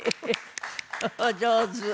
お上手。